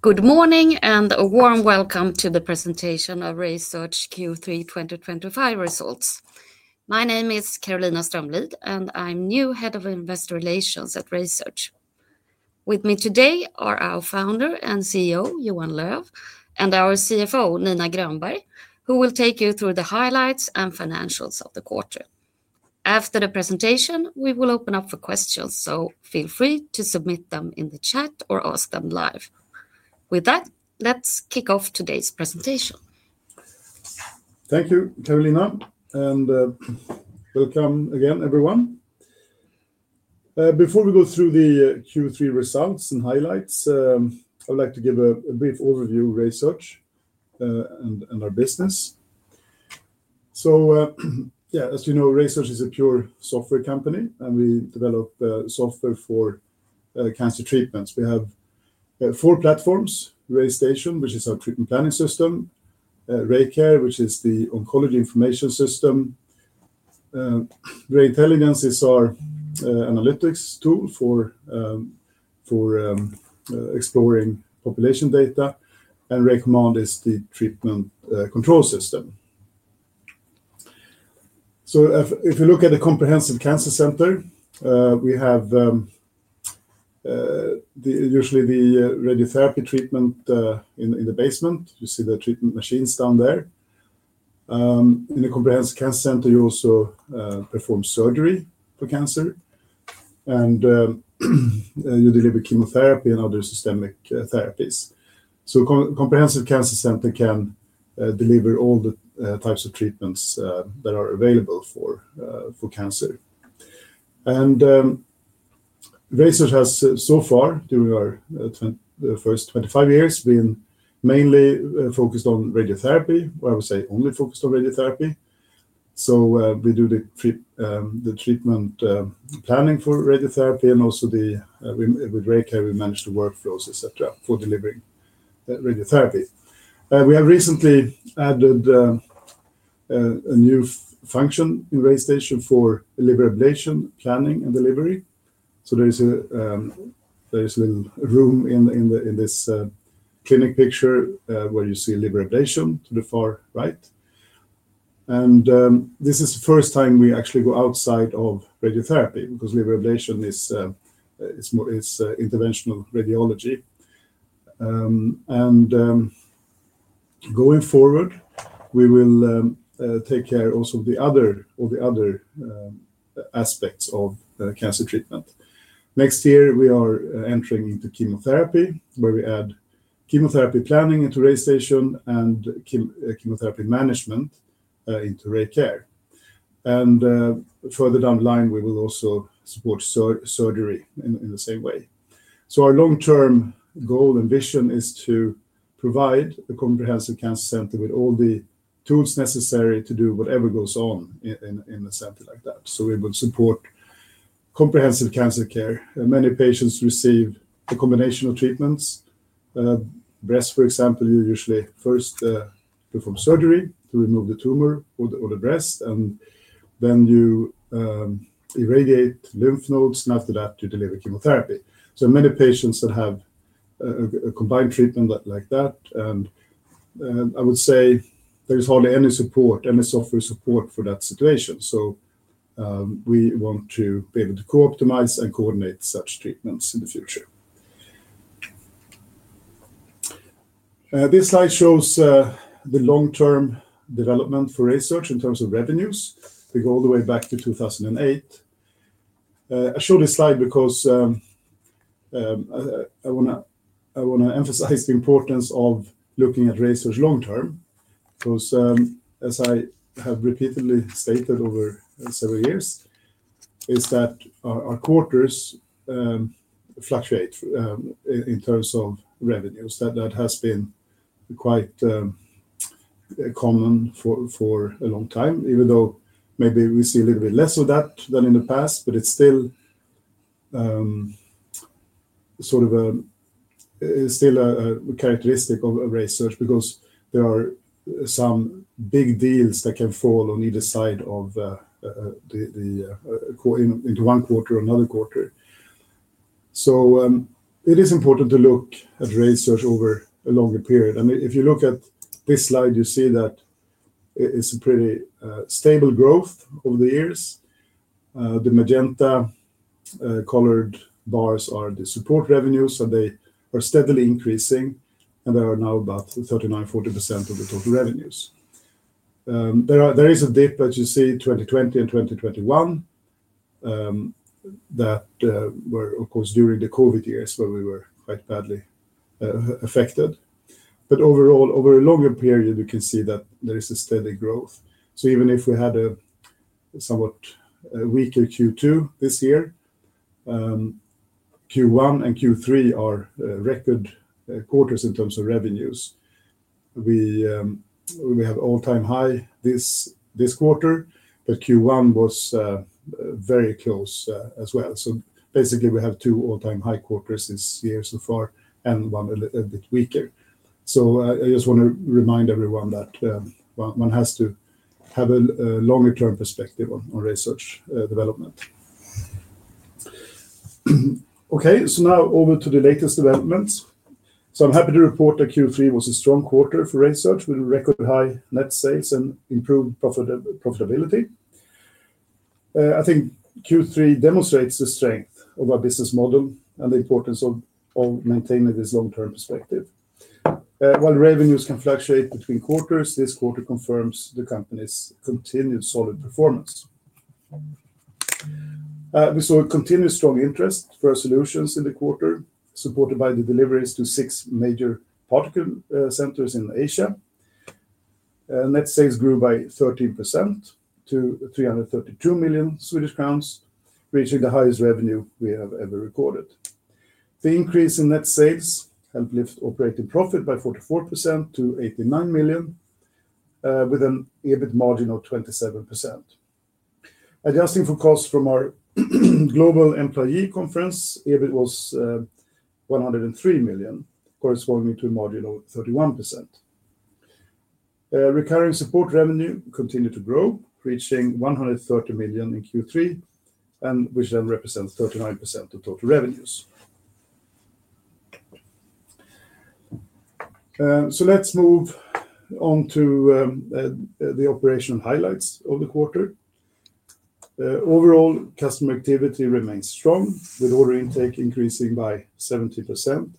Good morning and a warm welcome to the presentation of RaySearch Q3 2025 results. My name is Karolina Strömlid, and I'm new Head of Investor Relations at RaySearch. With me today are our founder and CEO, Johan Löf, and our CFO, Nina Grönberg, who will take you through the highlights and financials of the quarter. After the presentation, we will open up for questions, so feel free to submit them in the chat or ask them live. With that, let's kick off today's presentation. Thank you, Karolina, and welcome again, everyone. Before we go through the Q3 results and highlights, I'd like to give a brief overview of RaySearch and our business. So, yeah, as you know, RaySearch is a pure software company, and we develop software for cancer treatments. We have four platforms: RayStation, which is our treatment planning system; RayCare, which is the oncology information system; RayIntelligence is our analytics tool for exploring population data; and RayCommand is the treatment control system. If you look at a comprehensive cancer center, we have usually the radiotherapy treatment in the basement. You see the treatment machines down there. In a comprehensive cancer center, you also perform surgery for cancer, and you deliver chemotherapy and other systemic therapies. A comprehensive cancer center can deliver all the types of treatments that are available for cancer. RaySearch has, so far, during our first 25 years, been mainly focused on radiotherapy, or I would say only focused on radiotherapy. We do the treatment planning for radiotherapy, and also with RayCare, we manage the workflows, et cetera, for delivering radiotherapy. We have recently added a new function in RayStation for liver ablation planning and delivery. There is a little room in this clinic picture where you see liver ablation to the far right. This is the first time we actually go outside of radiotherapy because liver ablation is interventional radiology. Going forward, we will take care also of all the other aspects of cancer treatment. Next year, we are entering into chemotherapy, where we add chemotherapy planning into RayStation and chemotherapy management into RayCare. Further down the line, we will also support surgery in the same way. Our long-term goal and vision is to provide a comprehensive cancer center with all the tools necessary to do whatever goes on in a center like that. We will support comprehensive cancer care. Many patients receive a combination of treatments. Breast, for example, you usually first perform surgery to remove the tumor or the breast, and then you irradiate lymph nodes, and after that, you deliver chemotherapy. Many patients have a combined treatment like that, and I would say there is hardly any support, any software support for that situation. We want to be able to co-optimize and coordinate such treatments in the future. This slide shows the long-term development for RaySearch in terms of revenues. We go all the way back to 2008. I show this slide because I want to emphasize the importance of looking at RaySearch long-term because, as I have repeatedly stated over several years, our quarters fluctuate in terms of revenues. That has been quite common for a long time, even though maybe we see a little bit less of that than in the past, but it's still sort of a characteristic of RaySearch because there are some big deals that can fall on either side of into one quarter or another quarter. It is important to look at RaySearch over a longer period. If you look at this slide, you see that it's a pretty stable growth over the years. The magenta colored bars are the support revenues, and they are steadily increasing, and they are now about 39%-40% of the total revenues. There is a dip, as you see, 2020 and 2021, that were, of course, during the COVID years where we were quite badly affected. But overall, over a longer period, we can see that there is a steady growth. Even if we had a somewhat weaker Q2 this year, Q1 and Q3 are record quarters in terms of revenues. We have an all-time high this quarter, but Q1 was very close as well. Basically, we have two all-time high quarters this year so far and one a bit weaker. I just want to remind everyone that one has to have a longer-term perspective on RaySearch development. Okay, now over to the latest developments. I'm happy to report that Q3 was a strong quarter for RaySearch with record high net sales and improved profitability. I think Q3 demonstrates the strength of our business model and the importance of maintaining this long-term perspective. While revenues can fluctuate between quarters, this quarter confirms the company's continued solid performance. We saw continued strong interest for our solutions in the quarter, supported by the deliveries to six major particle centers in Asia. Net sales grew by 13% to 332 million Swedish crowns, reaching the highest revenue we have ever recorded. The increase in net sales helped lift operating profit by 44% to 89 million, with an EBIT margin of 27%. Adjusting for costs from our global employee conference, EBIT was 103 million, corresponding to a margin of 31%. Recurring support revenue continued to grow, reaching 130 million in Q3, which then represents 39% of total revenues. Let's move on to the operational highlights of the quarter. Overall, customer activity remains strong, with order intake increasing by 70%.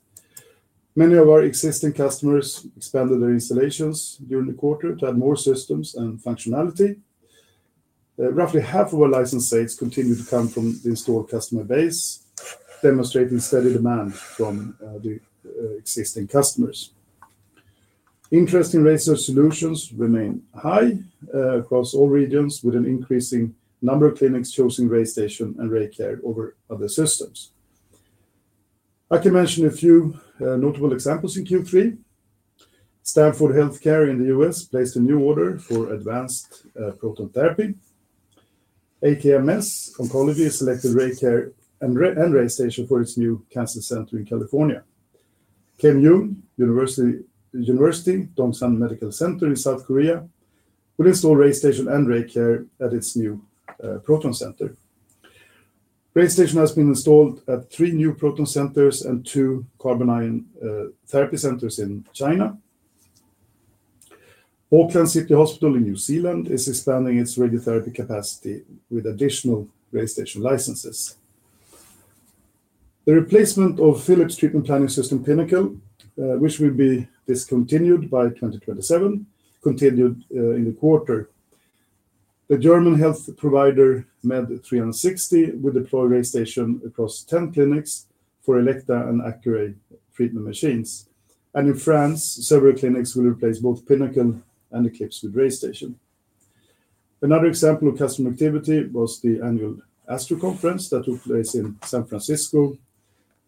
Many of our existing customers expanded their installations during the quarter to add more systems and functionality. Roughly half of our license sales continue to come from the installed customer base, demonstrating steady demand from the existing customers. Interest in RaySearch solutions remains high across all regions, with an increasing number of clinics choosing RayStation and RayCare over other systems. I can mention a few notable examples in Q3. Stanford Healthcare in the U.S. placed a new order for advanced proton therapy. AKMS Oncology selected RayCare and RayStation for its new cancer center in California. Keimyung University Dongsan Medical Center in South Korea will install RayStation and RayCare at its new proton center. RayStation has been installed at three new proton centers and two carbon ion therapy centers in China. Auckland City Hospital in New Zealand is expanding its radiotherapy capacity with additional RayStation licenses. The replacement of Philips treatment planning system Pinnacle, which will be discontinued by 2027, continued in the quarter. The German health provider Med360 will deploy RayStation across 10 clinics for Elekta and Accuray treatment machines. In France, several clinics will replace both Pinnacle and Eclipse with RayStation. Another example of customer activity was the annual ASTRO Conference that took place in San Francisco at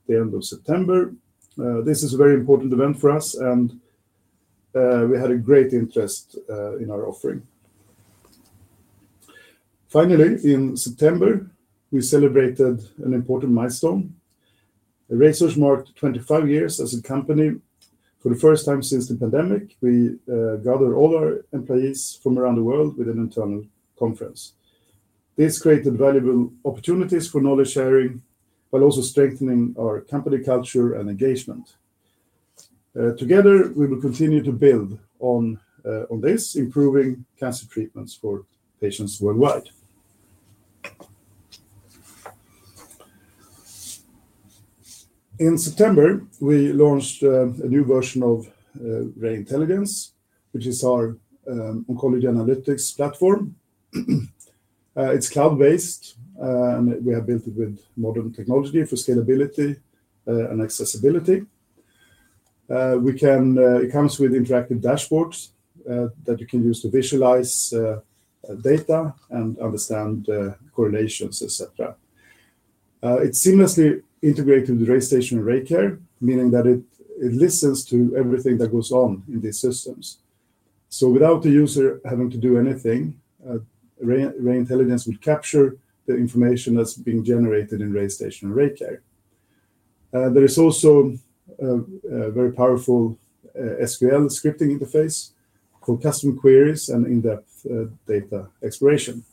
the end of September. This is a very important event for us, and we had a great interest in our offering. Finally, in September, we celebrated an important milestone. RaySearch marked 25 years as a company. For the first time since the pandemic, we gathered all our employees from around the world with an internal conference. This created valuable opportunities for knowledge sharing while also strengthening our company culture and engagement. Together, we will continue to build on this, improving cancer treatments for patients worldwide. In September, we launched a new version of RayIntelligence, which is our oncology analytics platform. It's cloud-based, and we have built it with modern technology for scalability and accessibility. It comes with interactive dashboards that you can use to visualize data and understand correlations, et cetera. It's seamlessly integrated with RayStation and RayCare, meaning that it listens to everything that goes on in these systems. Without the user having to do anything, RayIntelligence will capture the information that's being generated in RayStation and RayCare. There is also a very powerful SQL scripting interface for custom queries and in-depth data exploration.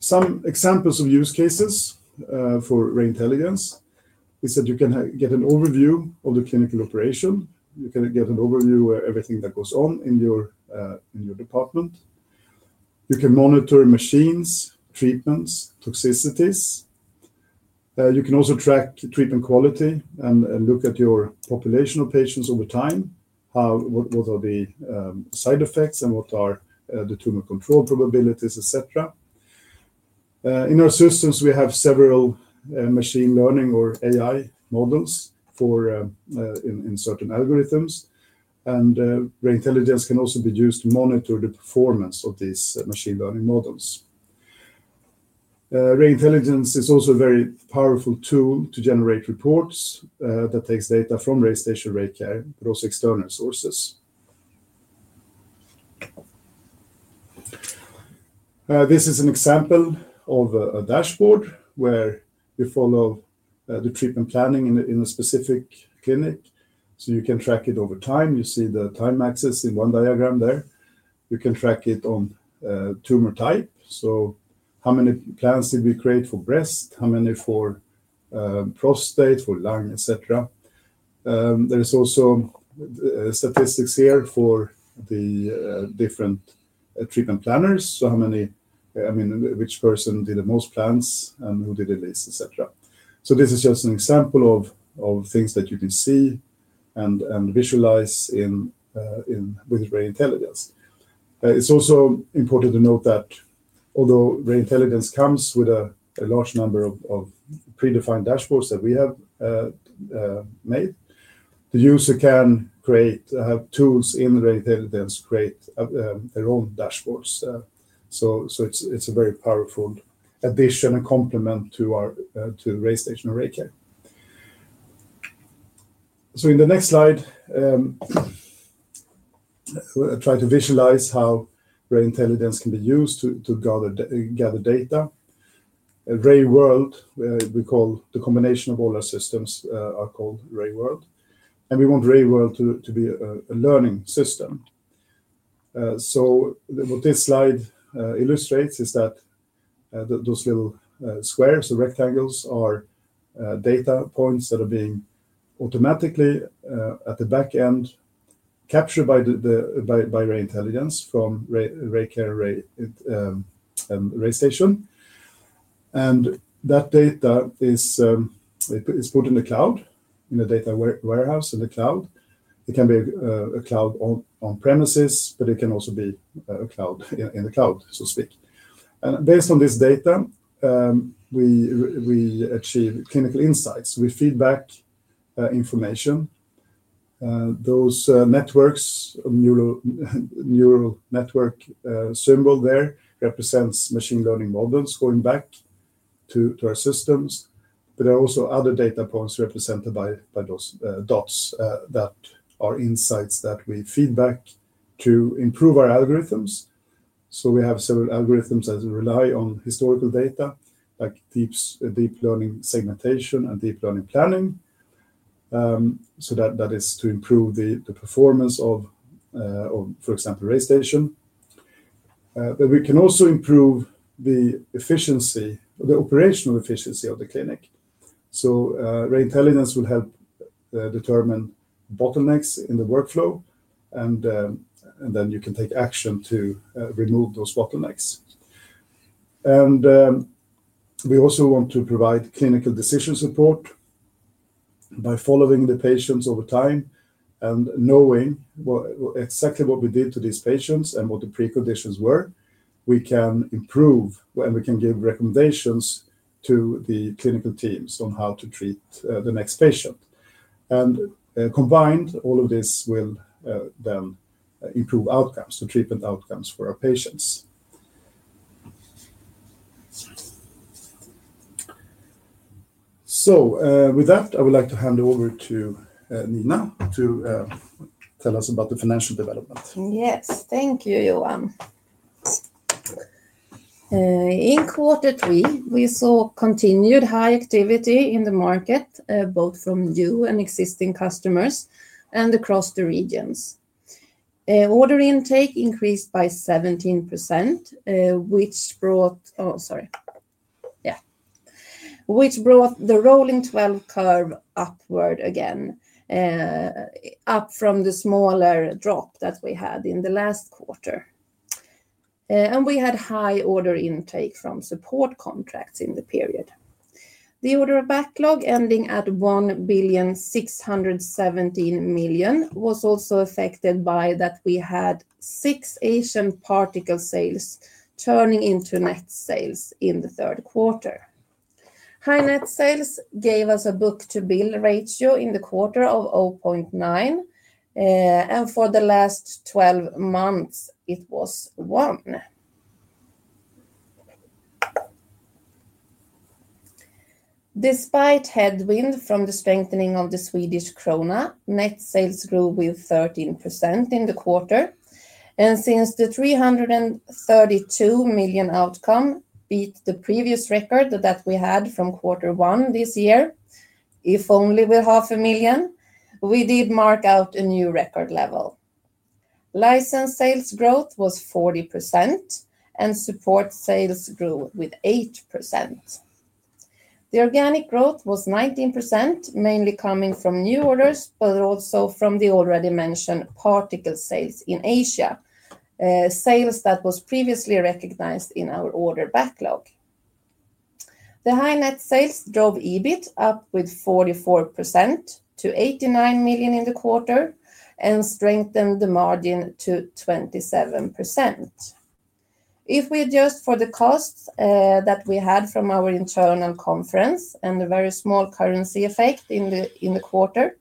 Some examples of use cases for RayIntelligence are that you can get an overview of the clinical operation. You can get an overview of everything that goes on in your department. You can monitor machines, treatments, toxicities. You can also track treatment quality and look at your population of patients over time, what are the side effects and what are the tumor control probabilities, et cetera. In our systems, we have several machine learning or AI models in certain algorithms, and RayIntelligence can also be used to monitor the performance of these machine learning models. RayIntelligence is also a very powerful tool to generate reports that takes data from RayStation, RayCare, but also external sources. This is an example of a dashboard where you follow the treatment planning in a specific clinic. You can track it over time. You see the time axis in one diagram there. You can track it on tumor type. How many plans did we create for breast, how many for prostate, for lung, et cetera. There are also statistics here for the different treatment planners. Which person did the most plans and who did the least, et cetera. This is just an example of things that you can see and visualize with RayIntelligence. It's also important to note that although RayIntelligence comes with a large number of predefined dashboards that we have made, the user can create tools in RayIntelligence to create their own dashboards. It's a very powerful addition and complement to RayStation and RayCare. In the next slide, I try to visualize how RayIntelligence can be used to gather data. RayWorld, we call the combination of all our systems, is called RayWorld. We want RayWorld to be a learning system. What this slide illustrates is that those little squares or rectangles are data points that are being automatically at the back end captured by RayIntelligence from RayCare and RayStation. That data is put in the cloud, in a data warehouse in the cloud. It can be a cloud on-premises, but it can also be a cloud in the cloud, so to speak. Based on this data, we achieve clinical insights. We feed back information. Those networks, neural network symbol there represents machine learning models going back to our systems. There are also other data points represented by those dots that are insights that we feed back to improve our algorithms. We have several algorithms that rely on historical data, like deep learning segmentation and deep learning planning. That is to improve the performance of, for example, RayStation. We can also improve the efficiency, the operational efficiency of the clinic. RayIntelligence will help determine bottlenecks in the workflow, and then you can take action to remove those bottlenecks. We also want to provide clinical decision support by following the patients over time and knowing exactly what we did to these patients and what the preconditions were. We can improve, and we can give recommendations to the clinical teams on how to treat the next patient. Combined, all of this will then improve outcomes, the treatment outcomes for our patients. With that, I would like to hand over to Nina to tell us about the financial development. Yes, thank you, Johan. In quarter three, we saw continued high activity in the market, both from new and existing customers and across the regions. Order intake increased by 17%, which brought, oh, sorry, yeah, which brought the rolling 12 curve upward again, up from the smaller drop that we had in the last quarter. We had high order intake from support contracts in the period. The order backlog ending at 1,617 million was also affected by that we had six Asian particle sales turning into net sales in the third quarter. High net sales gave us a Book to Bill ratio in the quarter of 0.9, and for the last 12 months, it was 1. Despite headwind from the strengthening of the Swedish krona, net sales grew with 13% in the quarter. Since the 332 million outcome beat the previous record that we had from quarter one this year, if only with 500,000, we did mark out a new record level. License sales growth was 40%, and support sales grew with 8%. The organic growth was 19%, mainly coming from new orders, but also from the already mentioned particle sales in Asia, sales that were previously recognized in our order backlog. The high net sales drove EBIT up with 44% to 89 million in the quarter and strengthened the margin to 27%. If we adjust for the costs that we had from our internal conference and the very small currency effect in the quarter,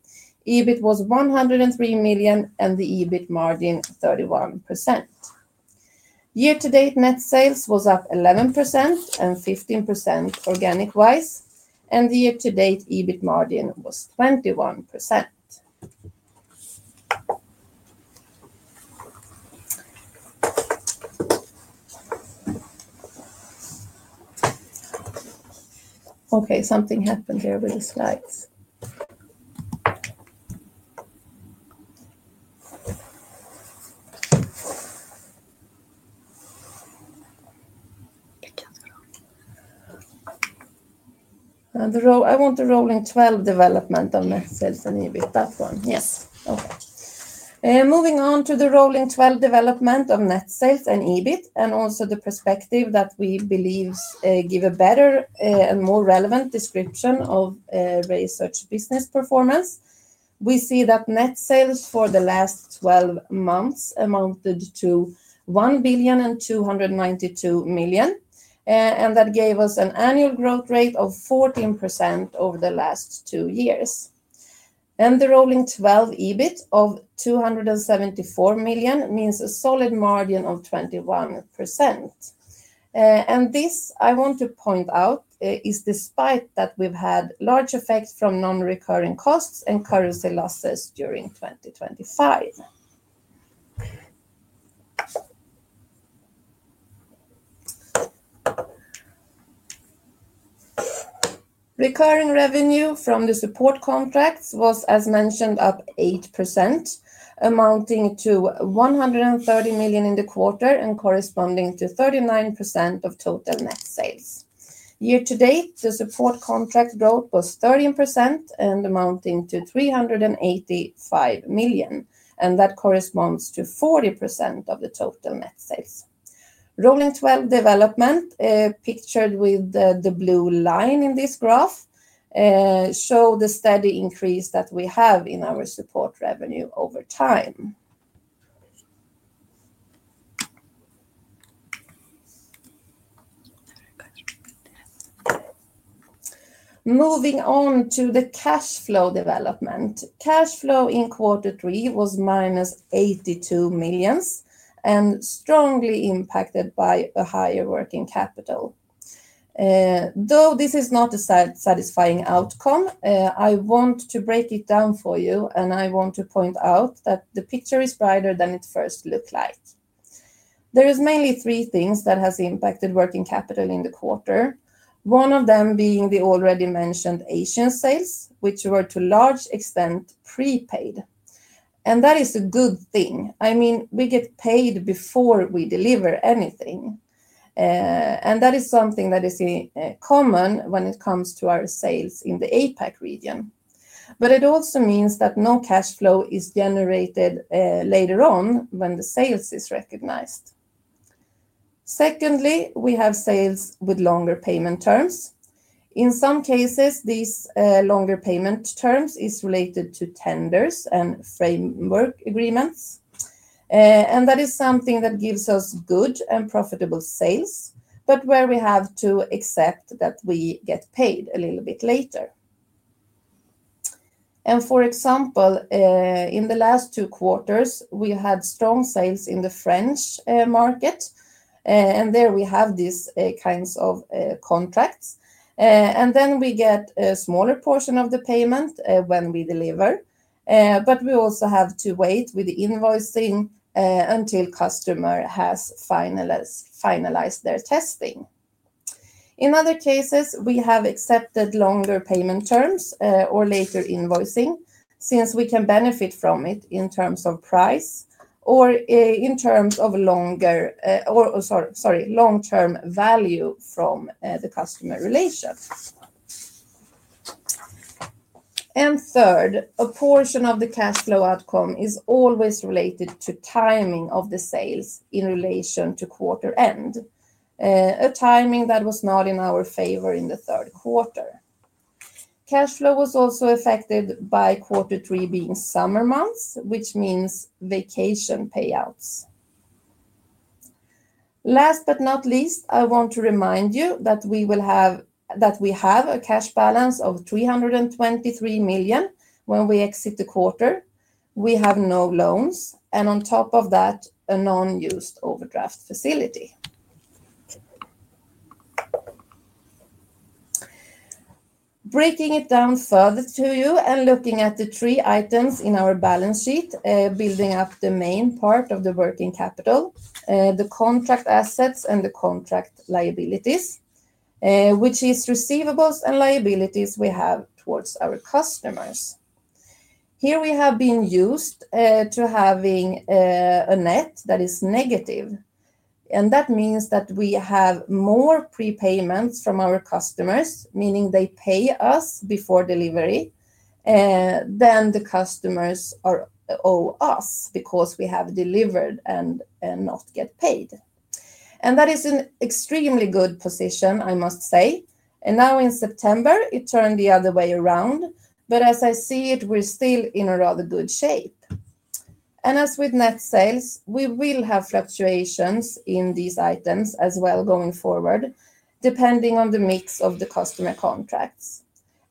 EBIT was 103 million and the EBIT margin 31%. Year-to-date net sales was up 11% and 15% organic-wise, and the year-to-date EBIT margin was 21%. Okay, something happened there with the slides. I want the rolling 12 development of net sales and EBIT, that one, yes. Okay. Moving on to the rolling 12 development of net sales and EBIT, and also the perspective that we believe gives a better and more relevant description of RaySearch Laboratories business performance. We see that net sales for the last 12 months amounted to 1,292 million, and that gave us an annual growth rate of 14% over the last two years. The rolling 12 EBIT of 274 million means a solid margin of 21%. This, I want to point out, is despite that we've had large effects from non-recurring costs and currency losses during 2025. Recurring revenue from the support contracts was, as mentioned, up 8%, amounting to 130 million in the quarter and corresponding to 39% of total net sales. Year-to-date, the support contract growth was 13% and amounting to 385 million, and that corresponds to 40% of the total net sales. Rolling 12 development, pictured with the blue line in this graph, shows the steady increase that we have in our support revenue over time. Moving on to the cash flow development. Cash flow in quarter three was -82 million and strongly impacted by a higher working capital. Though this is not a satisfying outcome, I want to break it down for you, and I want to point out that the picture is brighter than it first looked like. There are mainly three things that have impacted working capital in the quarter, one of them being the already mentioned Asian sales, which were to a large extent prepaid. That is a good thing. I mean, we get paid before we deliver anything. That is something that is common when it comes to our sales in the APAC region. It also means that no cash flow is generated later on when the sales are recognized. Secondly, we have sales with longer payment terms. In some cases, these longer payment terms are related to tenders and framework agreements. That is something that gives us good and profitable sales, but where we have to accept that we get paid a little bit later. For example, in the last two quarters, we had strong sales in the French market, and there we have these kinds of contracts. We get a smaller portion of the payment when we deliver, but we also have to wait with the invoicing until the customer has finalized their testing. In other cases, we have accepted longer payment terms or later invoicing since we can benefit from it in terms of price or in terms of long-term value from the customer relations. Third, a portion of the cash flow outcome is always related to timing of the sales in relation to quarter end, a timing that was not in our favor in the third quarter. Cash flow was also affected by quarter three being summer months, which means vacation payouts. Last but not least, I want to remind you that we have a cash balance of 323 million when we exit the quarter. We have no loans, and on top of that, a non-used overdraft facility. Breaking it down further to you and looking at the three items in our balance sheet, building up the main part of the working capital, the contract assets and the contract liabilities, which are receivables and liabilities we have towards our customers. Here we have been used to having a net that is negative. That means that we have more prepayments from our customers, meaning they pay us before delivery than the customers owe us because we have delivered and not got paid. That is an extremely good position, I must say. Now in September, it turned the other way around, but as I see it, we're still in a rather good shape. As with net sales, we will have fluctuations in these items as well going forward, depending on the mix of the customer contracts.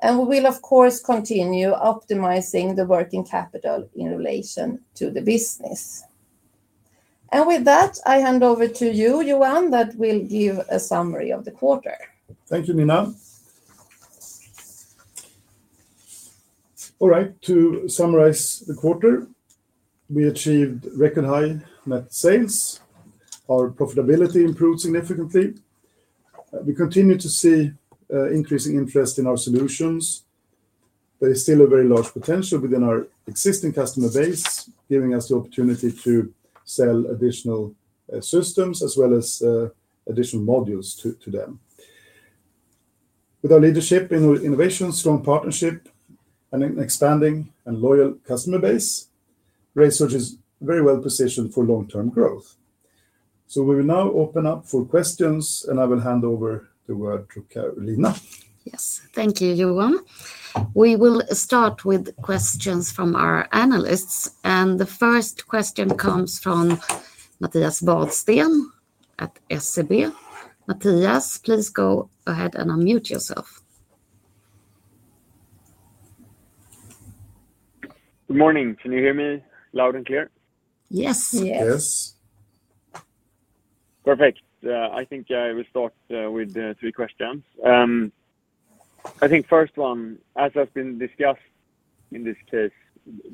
We will, of course, continue optimizing the working capital in relation to the business. With that, I hand over to you, Johan, who will give a summary of the quarter. Thank you, Nina. All right, to summarize the quarter, we achieved record high net sales. Our profitability improved significantly. We continue to see increasing interest in our solutions. There is still a very large potential within our existing customer base, giving us the opportunity to sell additional systems as well as additional modules to them. With our leadership in innovation, strong partnership, and an expanding and loyal customer base, RaySearch is very well positioned for long-term growth. We will now open up for questions, and I will hand over the word to Karolina. Yes, thank you, Johan. We will start with questions from our analysts. The first question comes from Mattias Vadsten at SEB. Mattias, please go ahead and unmute yourself. Good morning. Can you hear me loud and clear? Yes. Yes. Perfect. I think we'll start with three questions. I think the first one, as has been discussed in this case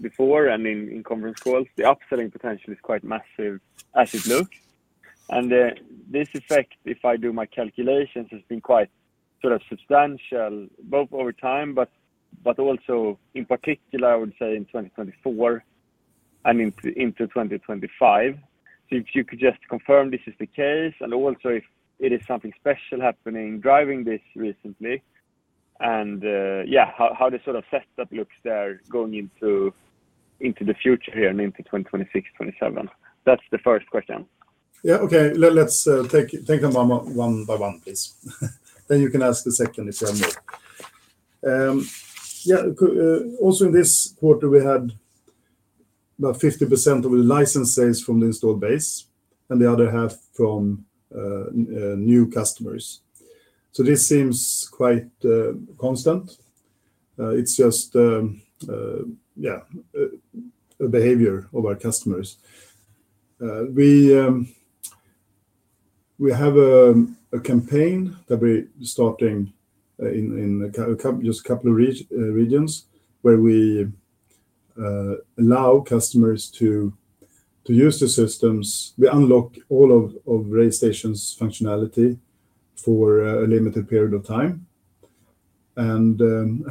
before and in conference calls, the upselling potential is quite massive as it looks. This effect, if I do my calculations, has been quite sort of substantial, both over time, but also in particular, I would say, in 2024 and into 2025. If you could just confirm this is the case, and also if it is something special happening driving this recently, and yeah, how the sort of setup looks there going into the future here and into 2026, 2027. That's the first question. Yeah, okay. Let's take them one by one, please. Then you can ask the second if you have more. Yeah, also in this quarter, we had about 50% of the license sales from the installed base and the other half from new customers. This seems quite constant. It's just, yeah, a behavior of our customers. We have a campaign that we're starting in just a couple of regions where we allow customers to use the systems. We unlock all of RayStation's functionality for a limited period of time and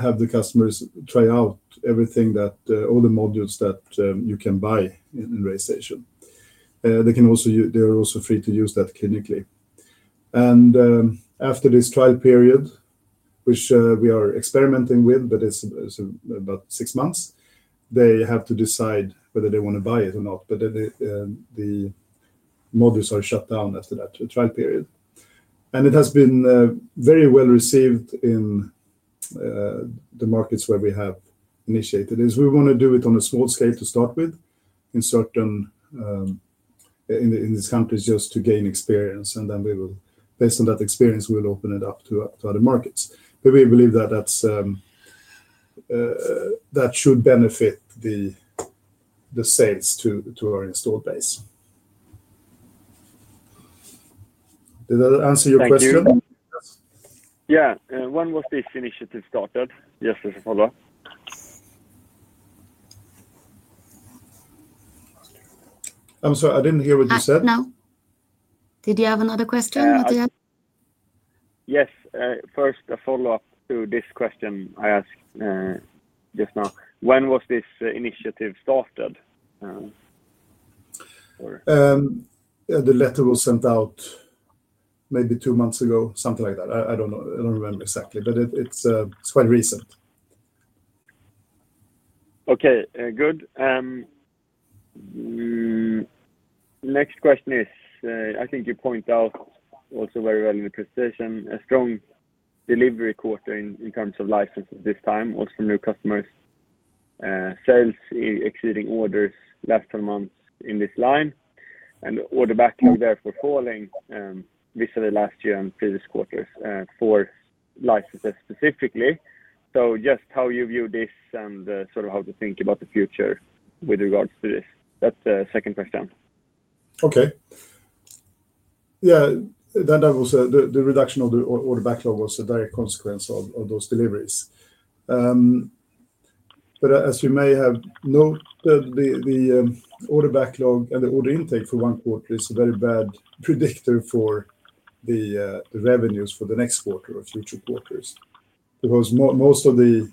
have the customers try out everything that all the modules that you can buy in RayStation. They are also free to use that clinically. After this trial period, which we are experimenting with, but it's about six months, they have to decide whether they want to buy it or not, but the modules are shut down after that trial period. It has been very well received in the markets where we have initiated. We want to do it on a small scale to start with in certain in these countries just to gain experience, and then based on that experience, we will open it up to other markets. We believe that that should benefit the sales to our installed base. Did that answer your question? Yeah. When was this initiative started? Yes, please, Apollo. I'm sorry, I didn't hear what you said. Did you have another question, Mattias? Yes. First, a follow-up to this question I asked just now. When was this initiative started? The letter was sent out maybe two months ago, something like that. I don't remember exactly, but it's quite recent. Okay, good. Next question is, I think you point out also very well in the presentation, a strong delivery quarter in terms of licenses this time, also from new customers, sales exceeding orders last 12 months in this line, and order backlog therefore falling vis-à-vis last year and previous quarters for licenses specifically. Just how you view this and sort of how to think about the future with regards to this. That's the second question. Okay. Yeah, the reduction of the order backlog was a direct consequence of those deliveries. As you may have noted, the order backlog and the order intake for one quarter is a very bad predictor for the revenues for the next quarter or future quarters. Because most of the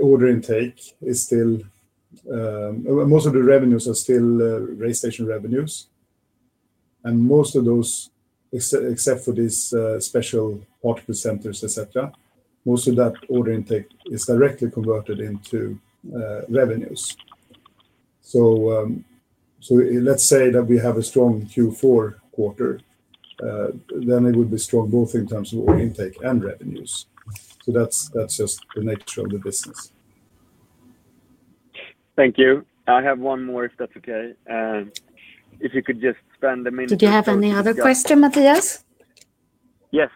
order intake is still, most of the revenues are still RayStation revenues. And most of those, except for these special particle centers, etc., most of that order intake is directly converted into revenues. Let's say that we have a strong Q4 quarter, then it would be strong both in terms of order intake and revenues. That's just the nature of the business. Thank you. I have one more, if that's okay. If you could just spend a minute. Did you have any other question, Mattias? Yes.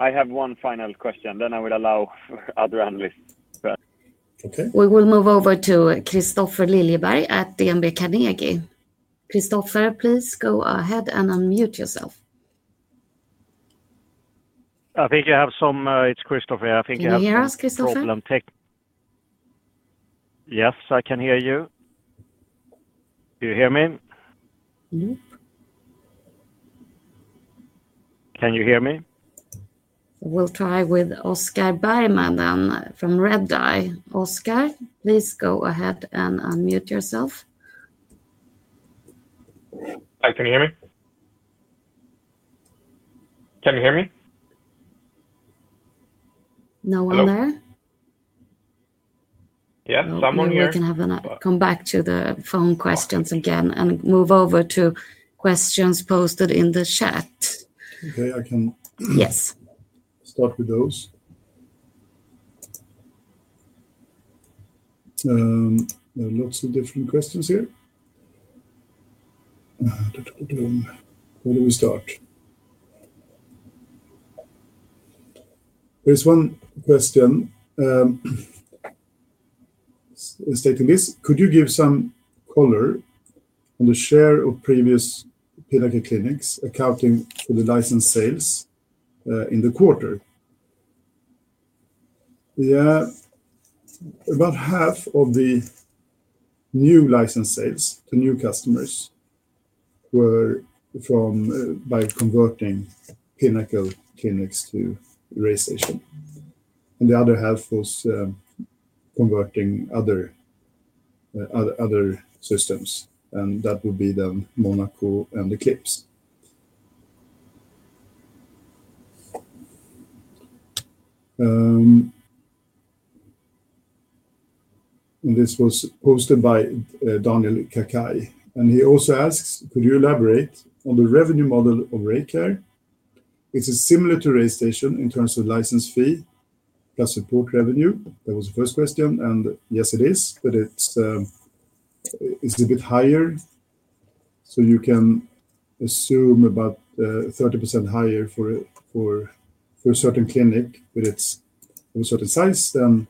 I have one final question, then I will allow other analysts. Okay. We will move over to Kristofer Liljeberg at DNB Carnegie. Kristofer please go ahead and unmute yourself. I think you have some—it's Kristofer. I think you have some problem. Can you hear us, Kristofer? Yes, I can hear you. Do you hear me? Nope. Can you hear me? We'll try with Oscar Bergman then from RedEye. Oscar, please go ahead and unmute yourself. Hi, can you hear me? Can you hear me? No one there. Yeah, someone here. We can come back to the phone questions again and move over to questions posted in the chat. Okay, I can start with those. There are lots of different questions here. Where do we start? There's one question stating this. Could you give some color on the share of previous Pinnacle Clinics accounting for the license sales in the quarter? Yeah, about half of the new license sales to new customers were by converting Pinnacle Clinics to RayStation. The other half was converting other systems. That would be Monaco and Eclipse. This was posted by Daniel Kakai. He also asks, could you elaborate on the revenue model of RayCare? Is it similar to RayStation in terms of license fee plus support revenue? That was the first question. Yes, it is, but it's a bit higher. You can assume about 30% higher for a certain clinic with its certain size, then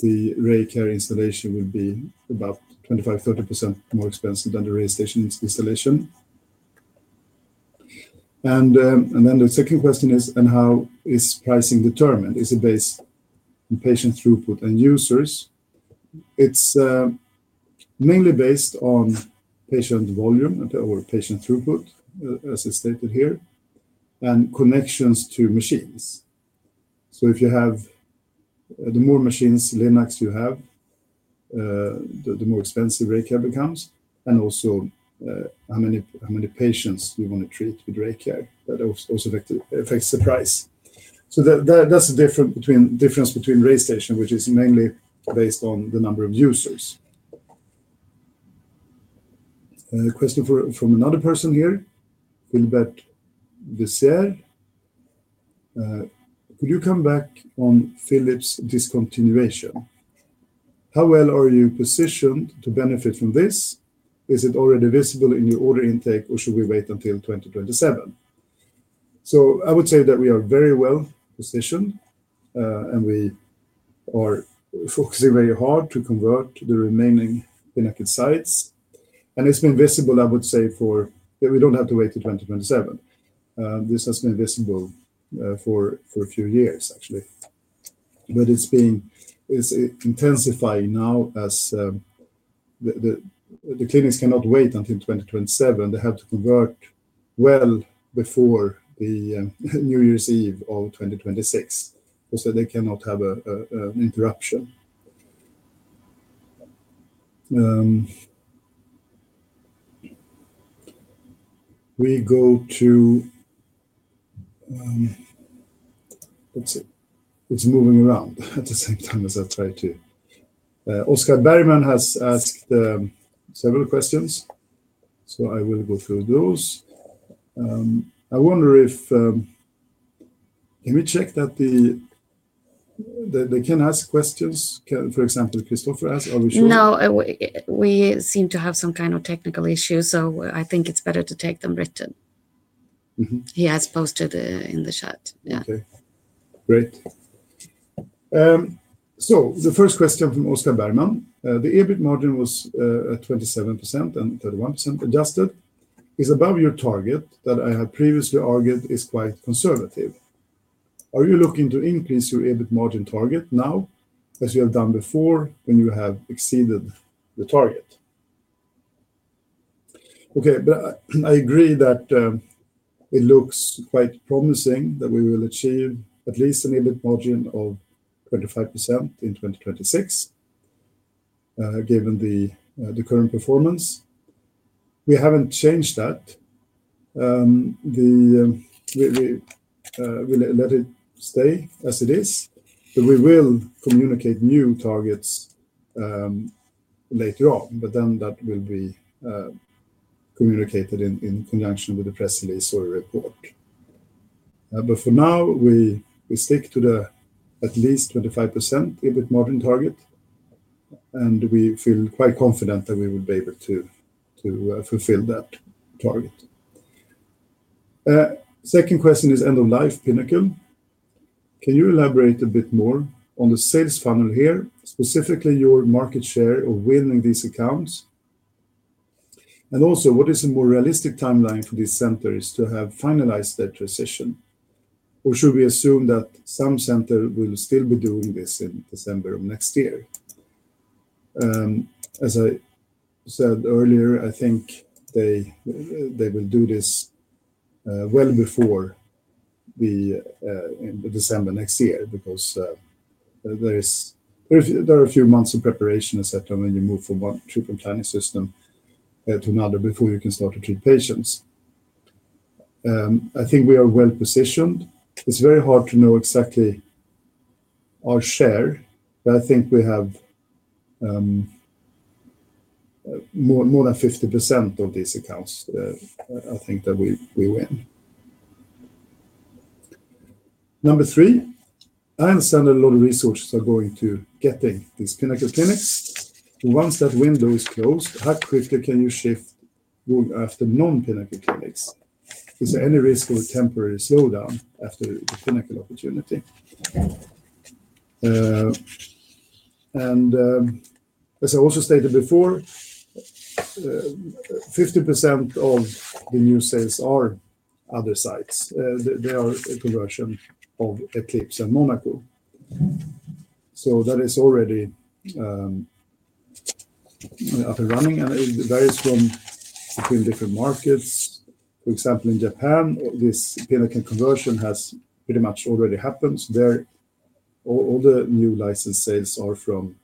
the RayCare installation would be about 25%-30% more expensive than the RayStation installation. The second question is, and how is pricing determined? Is it based on patient throughput and users? It's mainly based on patient volume or patient throughput, as it's stated here, and connections to machines. If you have more machines, Linacs you have, the more expensive RayCare becomes. Also, how many patients you want to treat with RayCare, that also affects the price. That is the difference between RayStation, which is mainly based on the number of users. Question from another person here, Gilbert Vissier. Could you come back on Philips discontinuation? How well are you positioned to benefit from this? Is it already visible in your order intake, or should we wait until 2027? I would say that we are very well positioned, and we are focusing very hard to convert the remaining Pinnacle sites. It has been visible, I would say, so we do not have to wait until 2027. This has been visible for a few years, actually. It is intensifying now as the clinics cannot wait until 2027. They have to convert well before New Year's Eve of 2026. They cannot have an interruption. We go to let's see. It's moving around at the same time as I try to. Oscar Bergman has asked several questions, so I will go through those. I wonder if can we check that they can ask questions? For example, Kristofer asked, are we sure? No, we seem to have some kind of technical issue, so I think it's better to take them written. He has posted in the chat. Yeah. Okay. Great. So the first question from Oscar Bergman, the EBIT margin was at 27% and 31% adjusted. Is above your target that I had previously argued is quite conservative? Are you looking to increase your EBIT margin target now as you have done before when you have exceeded the target? Okay, but I agree that it looks quite promising that we will achieve at least an EBIT margin of 25% in 2026 given the current performance. We haven't changed that. We let it stay as it is. We will communicate new targets later on, but that will be communicated in conjunction with the press release or report. For now, we stick to the at least 25% EBIT margin target, and we feel quite confident that we will be able to fulfill that target. Second question is end-of-life Pinnacle. Can you elaborate a bit more on the sales funnel here, specifically your market share of winning these accounts? Also, what is a more realistic timeline for these centers to have finalized their transition? Or should we assume that some center will still be doing this in December of next year? As I said earlier, I think they will do this well before December next year because there are a few months of preparation, etc., when you move from one treatment planning system to another before you can start to treat patients. I think we are well positioned. It's very hard to know exactly our share, but I think we have more than 50% of these accounts, I think, that we win. Number three, I understand a lot of resources are going to getting these Pinnacle clinics. Once that window is closed, how quickly can you shift after non-Pinnacle clinics? Is there any risk of a temporary slowdown after the Pinnacle opportunity? As I also stated before, 50% of the new sales are other sites. They are a conversion of Eclipse and Monaco. That is already up and running. It varies between different markets. For example, in Japan, this Pinnacle conversion has pretty much already happened. All the new license sales are from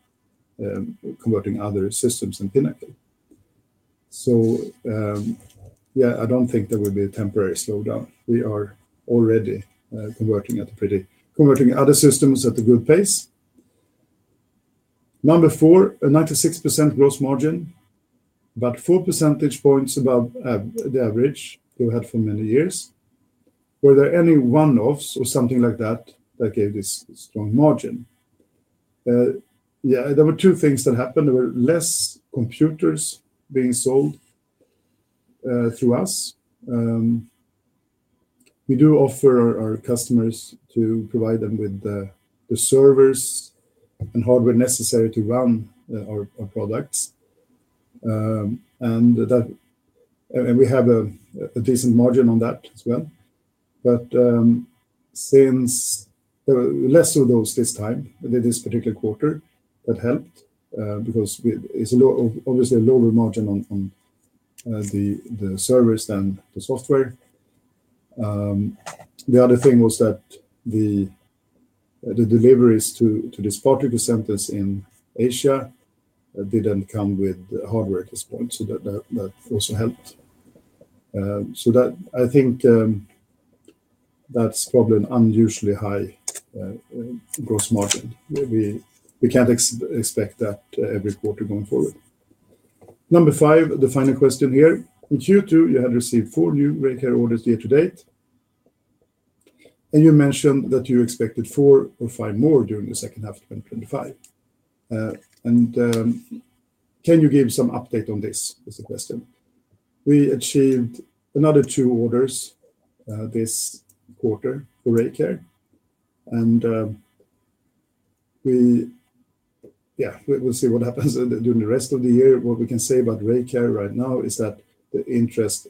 converting other systems and Pinnacle. Yeah, I don't think there will be a temporary slowdown. We are already converting other systems at a good pace. Number four, 96% gross margin, about 4 percentage points above the average you had for many years. Were there any one-offs or something like that that gave this strong margin? Yeah, there were two things that happened. There were less computers being sold through us. We do offer our customers to provide them with the servers and hardware necessary to run our products. We have a decent margin on that as well. Since there were less of those this time, this particular quarter, that helped because it's obviously a lower margin on the servers than the software. The other thing was that the deliveries to these particle centers in Asia did not come with hardware at this point. That also helped. I think that is probably an unusually high gross margin. We cannot expect that every quarter going forward. Number five, the final question here. In Q2, you had received four new RayCare orders year to date. You mentioned that you expected four or five more during the second half of 2025. Can you give some update on this? Is the question. We achieved another two orders this quarter for RayCare. Yeah, we will see what happens during the rest of the year. What we can say about RayCare right now is that the interest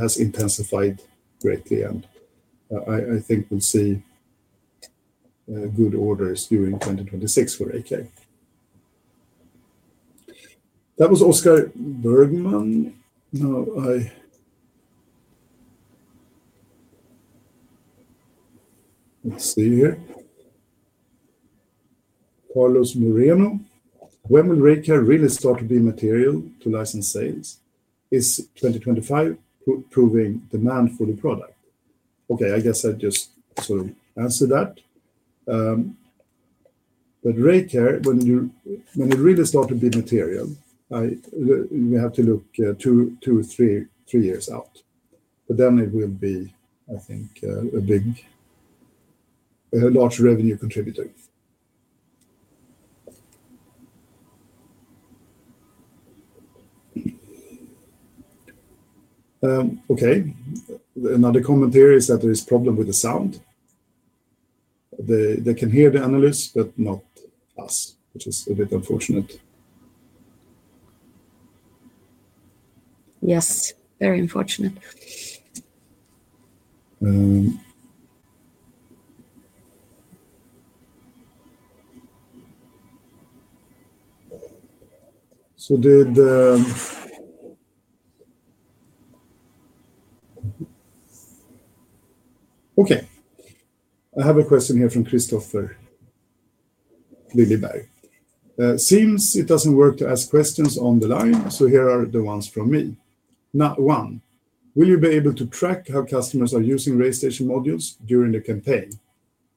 has intensified greatly, and I think we will see good orders during 2026 for RayCare. That was Oscar Bergman. Now, let's see here. Carlos Moreno, when will RayCare really start to be material to license sales? Is 2025 proving demand for the product? Okay, I guess I just sort of answered that. RayCare, when it really started to be material, we have to look two or three years out. That will be, I think, a large revenue contributor. Okay. Another comment here is that there is a problem with the sound. They can hear the analysts, but not us, which is a bit unfortunate. Yes, very unfortunate. Okay. I have a question here from Kristofer Liljeberg. Seems it does not work to ask questions on the line, so here are the ones from me. One, will you be able to track how customers are using RayStation modules during the campaign?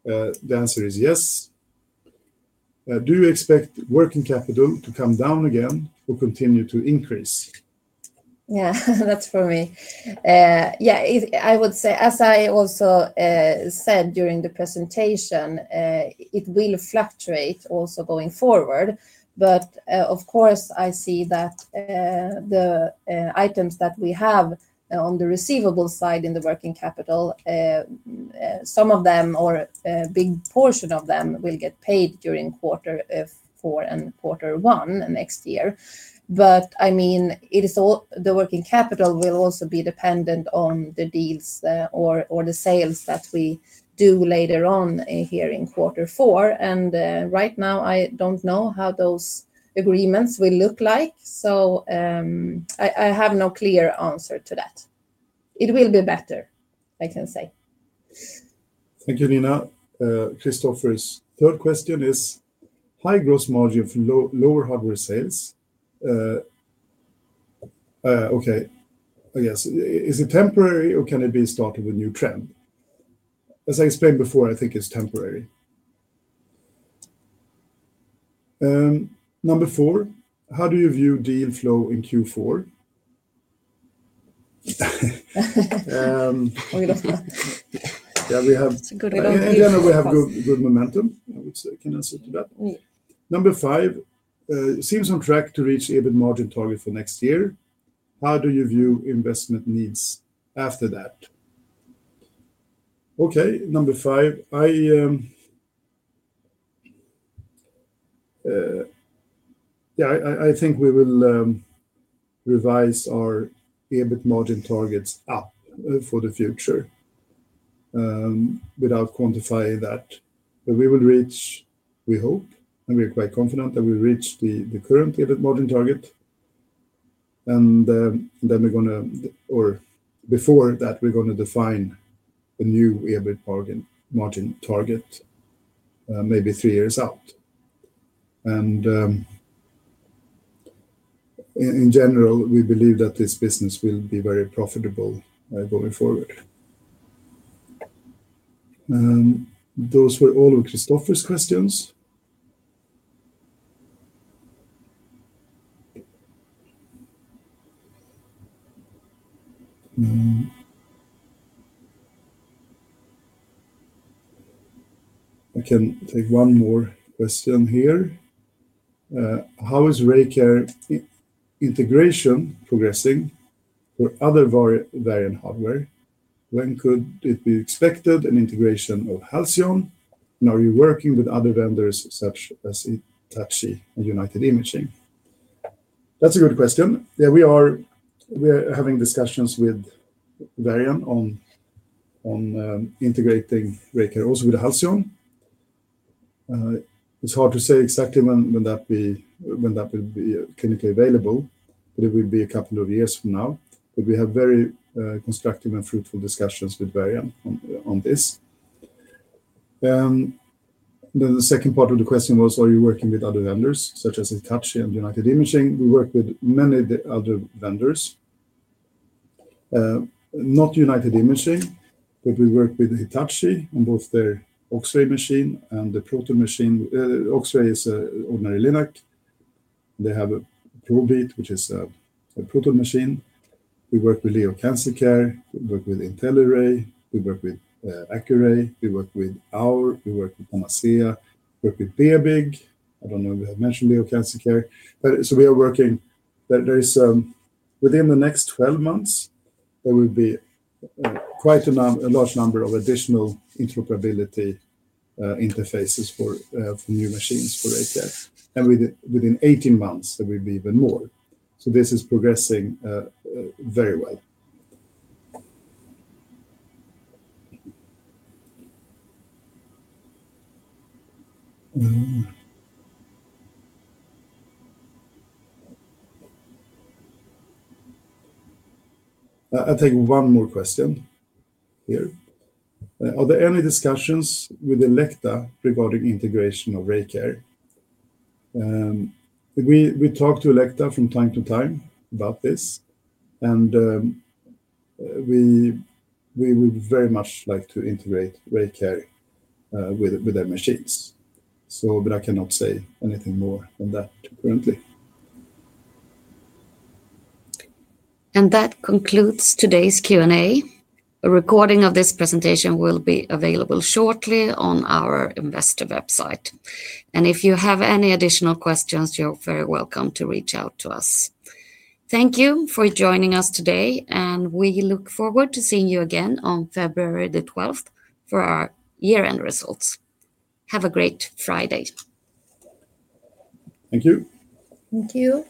The answer is yes. Do you expect working capital to come down again or continue to increase? Yeah, that's for me. Yeah, I would say, as I also said during the presentation, it will fluctuate also going forward. Of course, I see that the items that we have on the receivable side in the working capital, some of them or a big portion of them will get paid during quarter four and quarter one next year. I mean, the working capital will also be dependent on the deals or the sales that we do later on here in quarter four. Right now, I don't know how those agreements will look like. I have no clear answer to that. It will be better, I can say. Thank you, Nina. Kristofer's third question is, high gross margin for lower hardware sales. Okay, I guess. Is it temporary, or can it be started with new trend? As I explained before, I think it's temporary. Number four, how do you view deal flow in Q4? Yeah, we have good momentum. I would say I can answer to that. Number five, seems on track to reach EBIT margin target for next year. How do you view investment needs after that? Okay, number five. Yeah, I think we will revise our EBIT margin targets up for the future without quantifying that. We will reach, we hope, and we are quite confident that we reach the current EBIT margin target. Before that, we are going to define a new EBIT margin target maybe three years out. In general, we believe that this business will be very profitable going forward. Those were all of Kristofer's questions. I can take one more question here. How is RayCare integration progressing for other Varian hardware? When could it be expected, an integration of Halcyon? Are you working with other vendors such as Hitachi and United Imaging? That's a good question. Yeah, we are having discussions with Varian on integrating RayCare also with Halcyon. It's hard to say exactly when that will be clinically available, but it will be a couple of years from now. We have very constructive and fruitful discussions with Varian on this. The second part of the question was, are you working with other vendors such as Hitachi and United Imaging? We work with many other vendors. Not United Imaging, but we work with Hitachi on both their OXRAY machine and the proton machine. OXRAY is an ordinary Linac. They have a ProBeat, which is a proton machine. We work with Leo Cancer Care. We work with IntelliRay. We work with Accuray. We work with Our. We work with Panacea. We work with Beobig. I don't know if I mentioned Leo Cancer Care. We are working. Within the next 12 months, there will be quite a large number of additional interoperability interfaces for new machines for RayCare. Within 18 months, there will be even more. This is progressing very well. I take one more question here. Are there any discussions with Elekta regarding integration of RayCare? We talk to Elekta from time to time about this. We would very much like to integrate RayCare with their machines. I cannot say anything more on that currently. That concludes today's Q&A. A recording of this presentation will be available shortly on our investor website. If you have any additional questions, you're very welcome to reach out to us. Thank you for joining us today. We look forward to seeing you again on February the 12th for our year-end results. Have a great Friday. Thank you. Thank you.